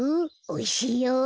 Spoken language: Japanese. おいしいよ。